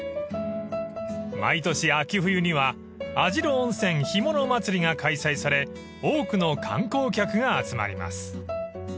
［毎年秋冬には網代温泉ひもの祭りが開催され多くの観光客が集まります］